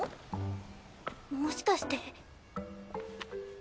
もしかして。